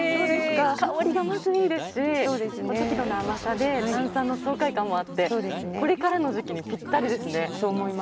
香りが、まずいいですし適度な甘さで炭酸の爽快感もあってこれからの時期にぴったりですね。